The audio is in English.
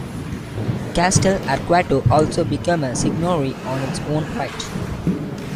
Castell'Arquato also became a seigniory on its own right.